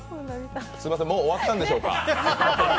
すいません、もう終わったんでしょうか？